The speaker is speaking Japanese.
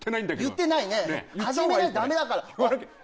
言ってないね始めないとダメだから。